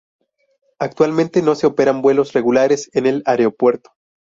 Actualmente no se operan vuelos regulares en el aeropuerto.